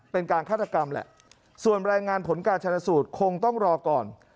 เป็นการฆาตกรรมแหละส่วนรายงานผลการชนะสูตรคงต้องรอก่อน